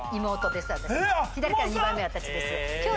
左から２番目私です。